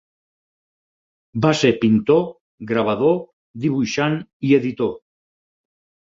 Va ser pintor, gravador, dibuixant i editor.